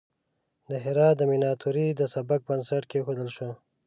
د هرات د میناتوری د سبک بنسټ کیښودل شو.